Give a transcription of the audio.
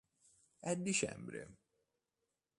È dicembre.